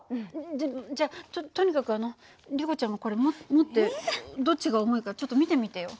じゃじゃあととにかくあのリコちゃんもこれも持ってどっちが重いかちょっと見てみてよ。